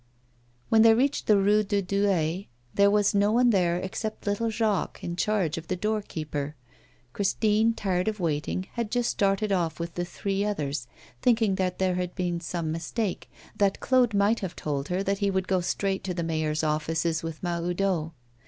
When they reached the Rue de Douai there was no one there except little Jacques, in charge of the doorkeeper. Christine, tired of waiting, had just started off with the three others, thinking that there had been some mistake that Claude might have told her that he would go straight to the mayor's offices with Mahoudeau.